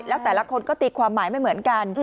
แล้วแต่ละคนก็ตีความหมายไม่เหมือนกัน